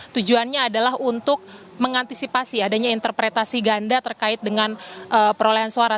tujuannya adalah untuk mengantisipasi adanya interpretasi ganda terkait dengan perolehan suara